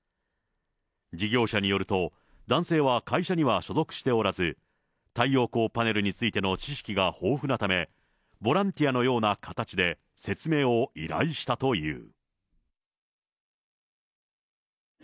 事業者によると、男性は会社には所属しておらず、太陽光パネルについての知識が豊富なため、ボランティアのような形で、説明を依頼したという。